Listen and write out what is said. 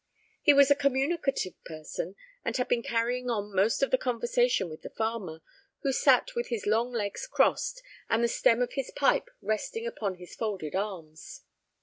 He was a communicative person, and had been carrying on most of the conversation with the farmer, who sat with his long legs crossed and the stem of his pipe resting upon his folded arms.